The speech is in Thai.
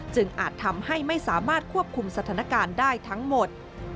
อาจทำให้ไม่สามารถควบคุมสถานการณ์ได้ทั้งหมด